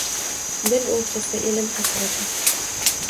Dil oʻrtasa elim hasrati